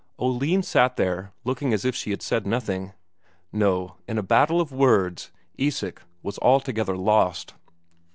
Oline sat there looking as if she had said nothing. No, in a battle of words Isak was altogether lost.